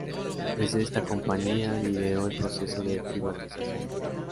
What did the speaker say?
Desde esta compañía lideró el proceso de privatización.